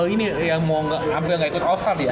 ini yang mau gak ikut all star ya